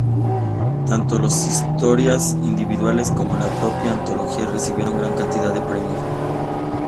Tanto las historias individuales como la propia antología recibieron gran cantidad de premios.